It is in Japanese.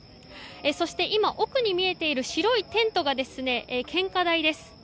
そして今、奥に見えている白いテントが献花台です。